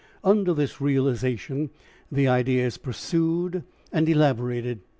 Under this realisation the idea is pursued and elaborated.